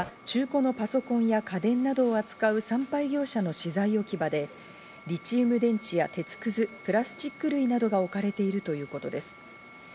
現場は中古のパソコンや家電などを扱う産廃業者の資材置き場で、リチウム電池や鉄くず、プラスチック類などが置かれているということです。